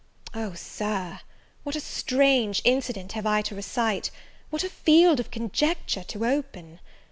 OH, Sir, what a strange incident have I to recite! what a field of conjecture to open!